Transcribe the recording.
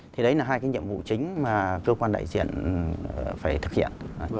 thì đấy là hai cái nhiệm vụ chính mà cơ quan đại diện phải thực hiện